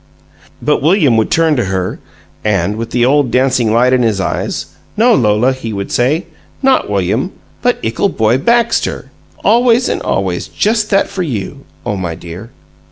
But William would turn to her, and, with the old, dancing light in his eyes, "No, Lola," he would say, "not William, but Ickle Boy Baxter! Always and always, just that for you; oh, my dear!"